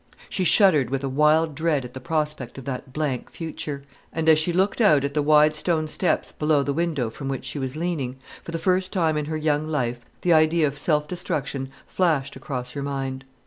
She shuddered with a wild dread at the prospect of that blank future; and as she looked out at the wide stone steps below the window from which she was leaning, for the first time in her young life the idea of self destruction flashed across her mind.